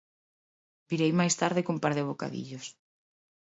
Virei máis tarde cun par de bocadillos.